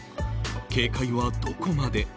警戒はどこまで。